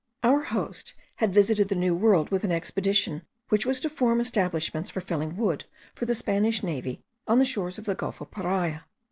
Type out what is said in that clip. Our host had visited the new world with an expedition which was to form establishments for felling wood for the Spanish navy on the shores of the gulf of Paria.